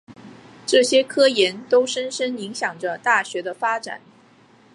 这些科研都深深影响着大学的发展。